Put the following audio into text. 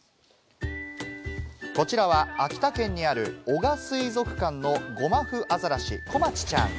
こちらは秋田県にある男鹿水族館のゴマフアザラシ・こまちちゃん。